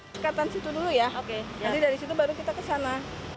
dekatan situ dulu ya jadi dari situ baru kita ke sana